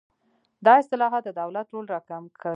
دا اصلاحات د دولت رول راکم کړي.